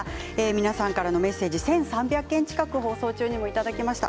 皆さんからのメッセージ１３００件近く放送中にいただきました。